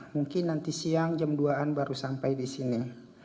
mungkin nanti siang jam dua an baru sampai di sini